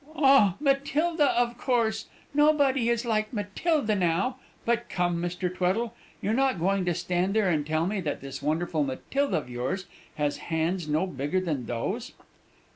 "Oh, Matilda, of course! Nobody is like Matilda now! But come, Mr. Tweddle, you're not going to stand there and tell me that this wonderful Matilda of yours has hands no bigger than those?"